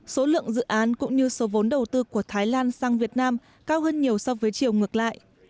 số lượng dự án cũng như số vốn đầu tư của thái lan sang việt nam cao hơn nhiều so với chiều ngược lại